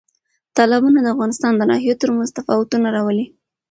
تالابونه د افغانستان د ناحیو ترمنځ تفاوتونه راولي.